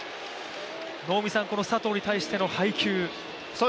能見さん、この佐藤に対しての配球